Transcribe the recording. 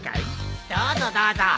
どうぞどうぞ。